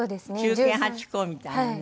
忠犬ハチ公みたいにね。